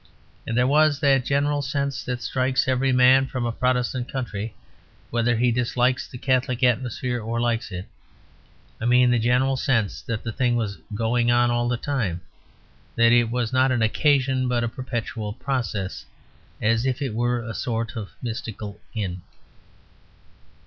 And there was that general sense that strikes every man from a Protestant country, whether he dislikes the Catholic atmosphere or likes it; I mean, the general sense that the thing was "going on all the time"; that it was not an occasion, but a perpetual process, as if it were a sort of mystical inn.